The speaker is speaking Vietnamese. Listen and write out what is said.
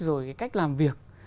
rồi cái cách làm việc